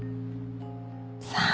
さあ。